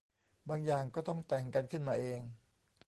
บางอย่างก็ต้องแต่งกันขึ้นมาเอง